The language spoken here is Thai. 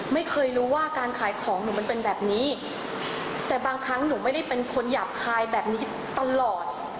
ไม่รู้ว่าการขายของหนูมันเป็นแบบนี้แต่บางครั้งหนูไม่ได้เป็นคนหยาบคายแบบนี้ตลอด